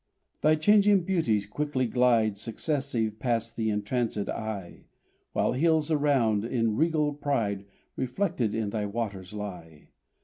Thy changing beauties quickly glide Successive past th' entrancéd eye, While hills around, in regal pride, Reflected in thy waters lie.